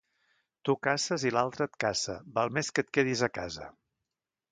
Tu caces i altre et caça; val més que et quedis a casa.